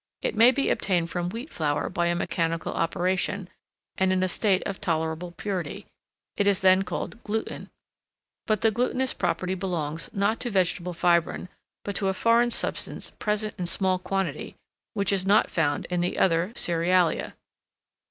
It may be obtained from wheat flour by a mechanical operation, and in a state of tolerable purity; it is then called gluten, but the glutinous property belongs, not to vegetable fibrine, but to a foreign substance, present in small quantity, which is not found in the other cerealia.